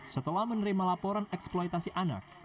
setelah menerima laporan eksploitasi anak